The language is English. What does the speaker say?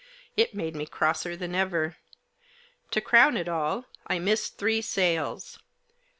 It made me crosser than ever. To crown it all, I missed three sales.